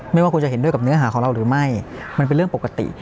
ไม่ว่าคุณจะเห็นด้วยกับเนื้อหาของเราหรือไม่มันเป็นเรื่องปกติ